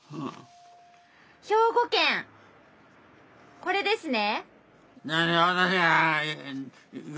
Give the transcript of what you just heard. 兵庫県これですね。